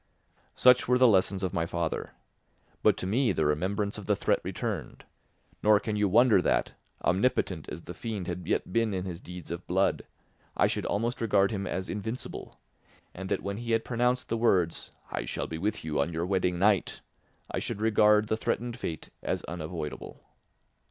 Such were the lessons of my father. But to me the remembrance of the threat returned; nor can you wonder that, omnipotent as the fiend had yet been in his deeds of blood, I should almost regard him as invincible, and that when he had pronounced the words "I shall be with you on your wedding night," I should regard the threatened fate as unavoidable.